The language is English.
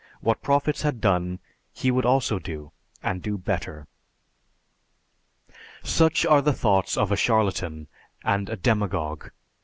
What prophets had done, he would also do and do better." (Mohammed R. F. Dibble.) Such are the thoughts of a charlatan and a demagogue.